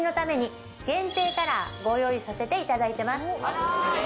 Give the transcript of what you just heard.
限定カラーご用意させていただいてます。